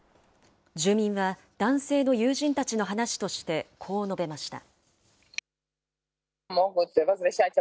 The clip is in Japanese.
住民は男性の友人たちの話としてこう述べました。